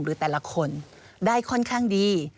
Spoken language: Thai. หรือแต่ละคนได้ค่อนข้างดี